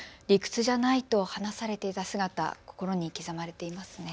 理屈じゃないと話されていた姿、心に刻まれています。